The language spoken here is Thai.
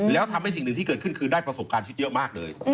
แล้วทำให้สิ่งหนึ่งที่เกิดขึ้นคือได้ประสบการณ์ที่เยอะมากเลย